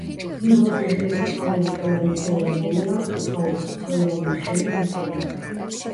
იმ დროს მეფეები თავიანთ ყველა მნიშვნელოვან მოვლენას მკითხაობის ცერემონიის შემდეგ იწყებდნენ.